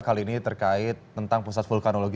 kali ini terkait tentang pusat vulkanologi